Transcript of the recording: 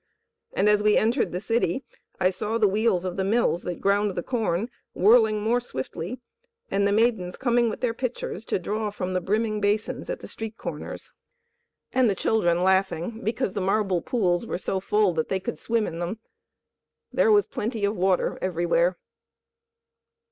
And as we entered the city I saw the wheels of the mills that ground the corn whirling more swiftly, and the maidens coming with their pitchers to draw from the brimming basins at the street corners, and the children laughing because the marble pools were so full that they could swim in them. There was plenty of water everywhere.